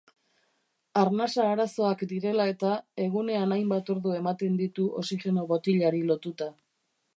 Arnasa arazoak direla-eta, egunean hainbat ordu ematen ditu oxigeno botilari lotuta.